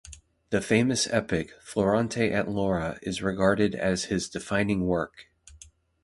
The famous epic, "Florante at Laura", is regarded as his defining work.